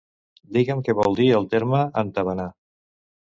Digue'm què vol dir el terme entabanar.